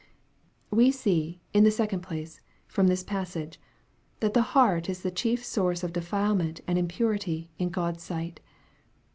We see, in the second place, from this passage, that the heart is the chief source of defilement and impurity in God's sight.